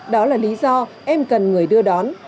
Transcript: đó là lý do em cần người đưa đón